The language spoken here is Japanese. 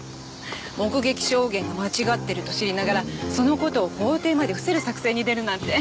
目撃証言が間違っていると知りながらその事を法廷まで伏せる作戦に出るなんて。